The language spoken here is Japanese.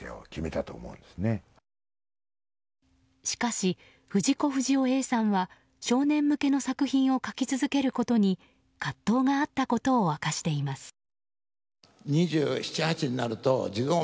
しかし、藤子不二雄Ａさんは少年向けの作品を描き続けることに葛藤があったことを明かしています。